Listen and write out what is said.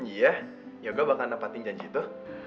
iya yoga bakal nampatin janji itu